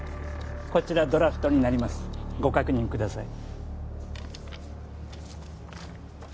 こちらドラフトになりますご確認ください